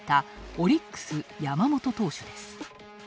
オリックス・山本投手です。